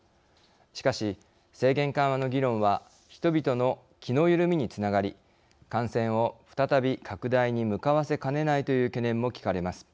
しかし、制限緩和の議論は人々の気の緩みにつながり感染を再び拡大に向かわせかねないという懸念も聞かれます。